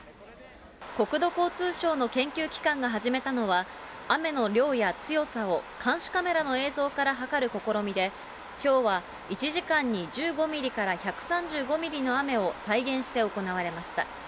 国土交通省の研究機関が始めたのは、雨の量や強さを監視カメラの映像から測る試みで、きょうは、１時間に１５ミリから１３５ミリの雨を再現して行われました。